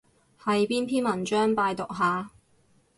係邊篇文章？拜讀下